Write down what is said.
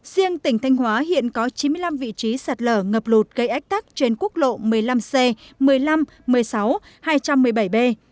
riêng tỉnh thanh hóa hiện có chín mươi năm vị trí sạt lở ngập lụt gây ách tắc trên quốc lộ một mươi năm c một mươi năm một mươi sáu hai trăm một mươi bảy b